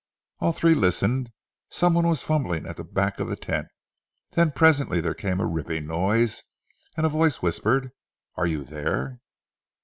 All three listened. Some one was fumbling at the back of the tent, then presently there came a ripping noise, and a voice whispered, "Are you there?"